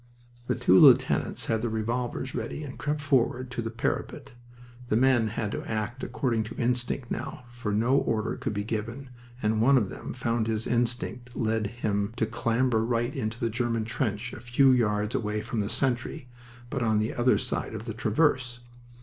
The two lieutenants had their revolvers ready and crept forward to the parapet. The men had to act according to instinct now, for no order could be given, and one of them found his instinct led him to clamber right into the German trench a few yards away from the sentry, but on the other side of the traverse.